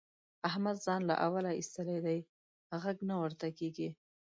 احمد ځان له اوله اېستلی دی؛ غږ نه ورته کېږي.